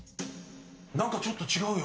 何かちょっと違うよ。